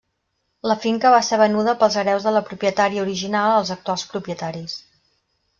La finca va ser venuda pels hereus de la propietària original als actuals propietaris.